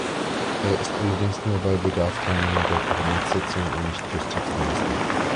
Er ist allerdings nur bei Bedarf Teilnehmer der Kabinettssitzung und ist nicht Justizminister.